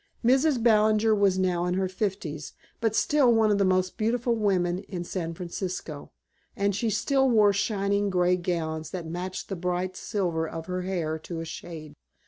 Mrs. Ballinger was now in her fifties but still one of the most beautiful women in San Francisco; and she still wore shining gray gowns that matched the bright silver of her hair to a shade.